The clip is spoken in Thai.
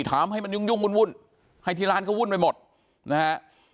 ถามให้มันยุ่งวุ่นให้ที่ร้านเขาวุ่นไปหมดนะฮะ